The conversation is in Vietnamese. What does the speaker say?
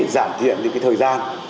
giảm thiện những cái thời gian